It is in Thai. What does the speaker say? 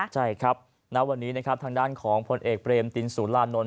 ใช่ครับณวันนี้นะครับทางด้านของพลเอกเบรมตินสุรานนท